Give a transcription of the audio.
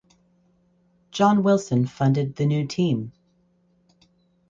John Wilson funded the new team.